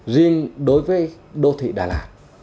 riêng đối với đô thị đà lạt